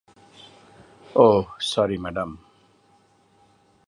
Oh, sorry madam.